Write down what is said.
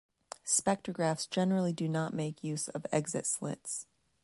Spectrographs generally do not make use of exit slits.